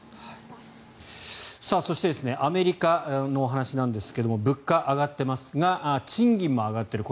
そしてアメリカのお話なんですが物価、上がってますが賃金も上がっている。